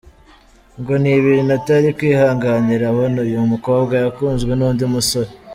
Ngo ni ibintu atari kwihanganira abona uyu mukobwa yakunzwe n’undi musore.